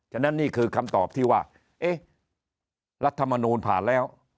ฉะนั้นนี่คือคำตอบที่ว่าเอ๊ะรัฐมนูลผ่านแล้ว